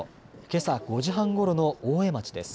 けさ５時半ごろの大江町です。